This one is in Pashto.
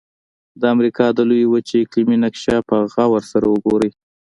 د امریکا د لویې وچې اقلیمي نقشه په غور سره وګورئ.